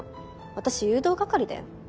私誘導係だよ。